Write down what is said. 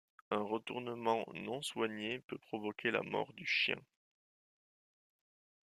Un retournement non soigné peut provoquer la mort du chien.